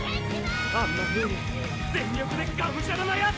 あんなふうに全力でがむしゃらなヤツ！